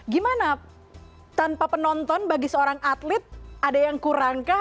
gimana tanpa penonton bagi seorang atlet ada yang kurang kah